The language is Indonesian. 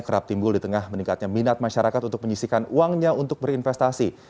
kerap timbul di tengah meningkatnya minat masyarakat untuk menyisikan uangnya untuk berinvestasi